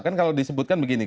kalau disebutkan begini